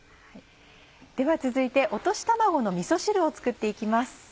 では続いて落とし卵のみそ汁を作って行きます。